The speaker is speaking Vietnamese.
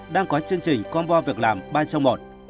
đang có chương trình combo việc làm ba trong một